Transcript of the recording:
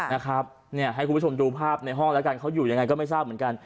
นะครับเนี่ยให้คุณผู้ชมดูภาพในห้องแล้วกันเขาอยู่ยังไงก็ไม่ทราบเหมือนกัน